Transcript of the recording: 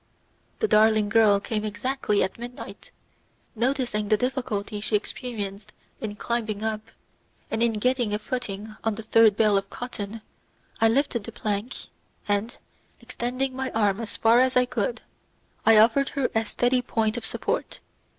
The darling girl came exactly at midnight, noticing the difficulty she experienced in climbing up, and in getting a footing upon the third bale of cotton, I lifted the plank, and, extending my arm as far as I could, I offered her a steady point of support.